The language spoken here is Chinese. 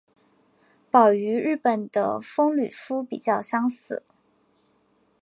褓与日本的风吕敷比较相似。